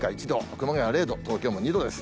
熊谷は０度、東京も２度です。